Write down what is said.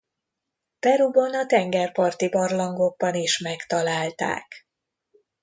Peruban a tengerparti barlangokban is megtalálták.